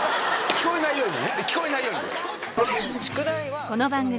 聞こえないように。